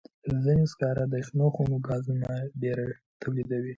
ځینې سکاره د شنو خونو ګازونه ډېر تولیدوي.